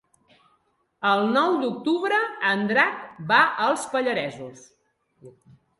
El nou d'octubre en Drac va als Pallaresos.